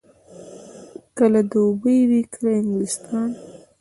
کله دوبۍ وي، کله انګلستان.